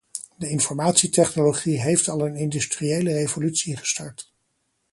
De informatietechnologie heeft al een industriële revolutie gestart.